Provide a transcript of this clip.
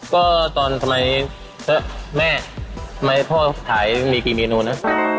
ก็ตอนทำไมแม่ทำไมพ่อถ่ายไม่มีกี่เมนูนะ